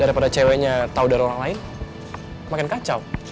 daripada ceweknya tahu dari orang lain makin kacau